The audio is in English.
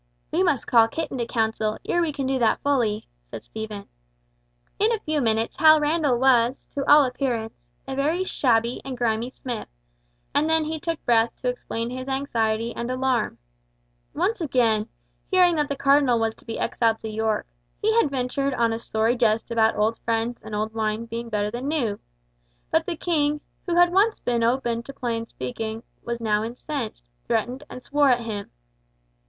"We must call Kit into counsel, ere we can do that fully," said Stephen. In a few minutes Hal Randall was, to all appearance, a very shabby and grimy smith, and then he took breath to explain his anxiety and alarm. Once again, hearing that the Cardinal was to be exiled to York, he had ventured on a sorry jest about old friends and old wine being better than new; but the King, who had once been open to plain speaking, was now incensed, threatened and swore at him!